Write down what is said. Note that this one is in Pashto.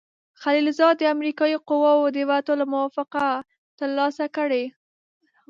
خلیلزاد د امریکایي قواوو د وتلو موافقه ترلاسه کړې.